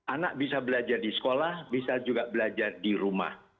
anak bisa belajar di sekolah bisa juga belajar di rumah